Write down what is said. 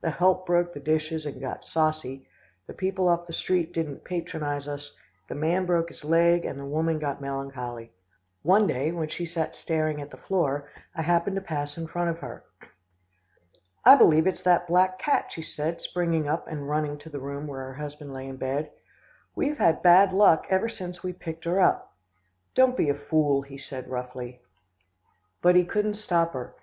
The help broke the dishes, and got saucy, the people off the street didn't patronise us, the man broke his leg, and the woman got melancholy. One day when she sat staring at the floor, I happened to pass in front of her. "'I believe it's that black cat,' she said, springing up and running to the room where her husband lay in bed. 'We've had bad luck ever since we picked her up.' "'Don't be a fool,' he said roughly. "But he couldn't stop her.